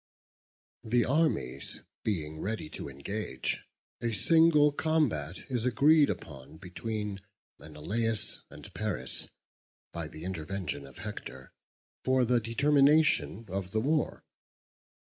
The armies being ready to engage, a single combat is agreed upon, between Menelaus and Paris (by the intervention of Hector) for the determination of the war.